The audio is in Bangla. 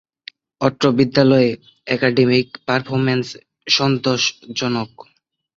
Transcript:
অত্র বিদ্যালয়ে একাডেমিক পারফরমেন্স সন্তোষজনক।